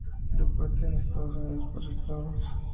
Deporte en Estados Unidos por Estados